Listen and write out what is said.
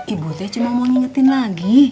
ibu saya cuma mau ngingetin lagi